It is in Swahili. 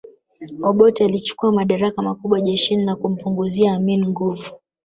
Obote alichukua madaraka makubwa jeshini na kumpunguzia Amin nguvu